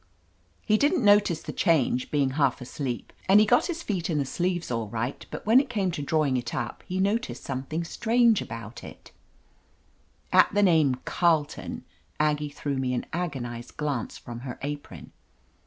''He didn't notice the change, being half asleep, and he got his feet in the sleeves aU right, but when it came to drawing it up, he noticed something strange about it" At the name "Carleton" Aggie threw me an agonized glance from her apron.